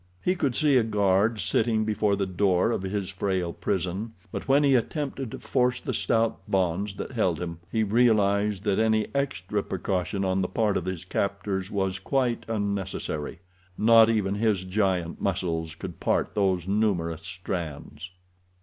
He could see a guard sitting before the door of his frail prison, but when he attempted to force the stout bonds that held him he realized that any extra precaution on the part of his captors was quite unnecessary; not even his giant muscles could part those numerous strands.